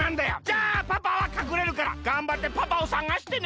じゃあパパはかくれるからがんばってパパを探してね！